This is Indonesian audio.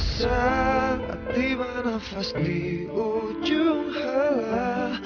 saat tiba nafas di ujung halah